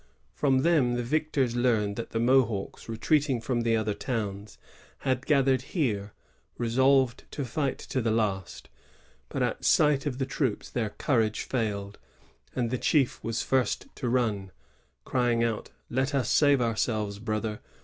From them the victors learned that the Mohawks, retreating from the other towns, had gathered here, resolved to fight to the last; but at sight of the troops their courage failed, and the chief was first to run, crying out, ^'Let us tave ourselves, brothers!